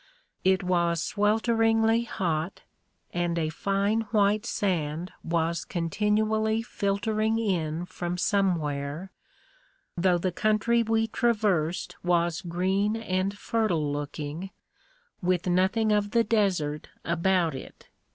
It was swelteringly hot, and a fine white sand was continually filtering in from somewhere, though the country we traversed was green and fertile looking, with nothing of the desert about it.